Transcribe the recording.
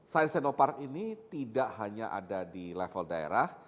science technopark ini tidak hanya ada di level daerah